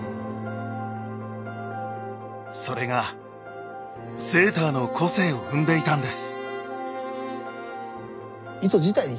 それがセーターの個性を生んでいたんです。